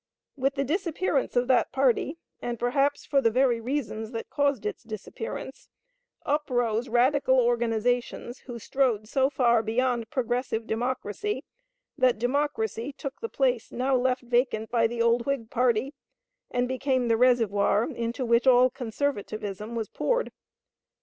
With the disappearance of that party and perhaps for the very reasons that caused its disappearance up rose radical organizations who strode so far beyond progressive Democracy that Democracy took the place now left vacant by the old Whig party, and became the reservoir into which all conservatism was poured.